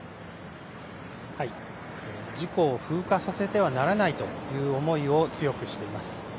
事故を風化させてはならないという思いを強くしています。